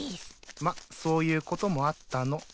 まっそういうこともあったの。